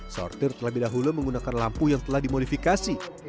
sortir terlebih dahulu menggunakan lampu yang telah dimodifikasi